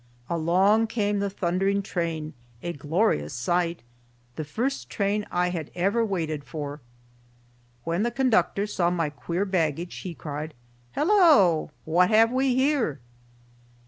Along came the thundering train, a glorious sight, the first train I had ever waited for. When the conductor saw my queer baggage, he cried, "Hello! What have we here?"